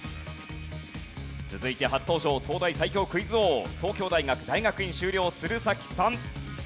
続いて初登場東大最強クイズ王東京大学大学院修了鶴崎さん。